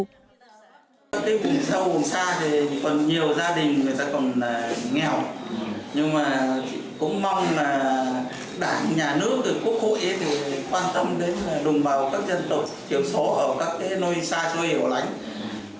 nhưng mà cũng mong là đảng nhà nước quốc hội quan tâm đến đồng bào các dân tộc thiểu số ở các nơi xa nơi hiểu lãnh